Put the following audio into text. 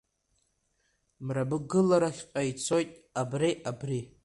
Мрагыларахьҟа ицоит, абри, абри…